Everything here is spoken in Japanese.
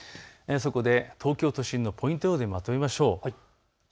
そこで東京都心のポイント予報でまとめましょう。